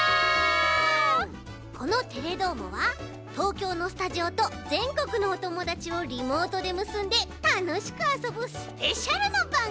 この「テレどーも！」は東京のスタジオとぜんこくのおともだちをリモートでむすんでたのしくあそぶスペシャルなばんぐみだち。